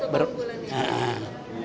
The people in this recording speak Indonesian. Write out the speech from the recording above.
berbeda misalnya dengan kalau di ptk